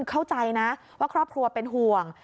เข้าใจนะว่าครอบครัวเป็นห่วง